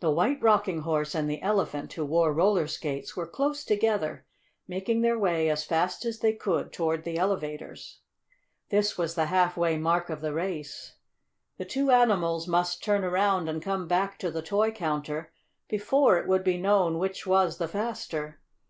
The White Rocking Horse and the Elephant, who wore roller skates, were close together, making their way as fast as they could toward the elevators. This was the half way mark of the race. The two animals must turn around and come back to the toy counter before it would be known which was the faster.